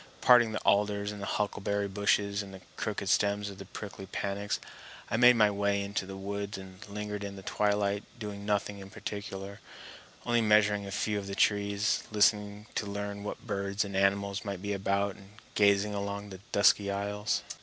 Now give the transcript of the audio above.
Parting the alders and huckleberry bushes and the crooked stems of the prickly panax, I made my way into the woods, and lingered in the twilight doing nothing in particular, only measuring a few of the trees, listening to learn what birds and animals might be about, and gazing along the dusky aisles.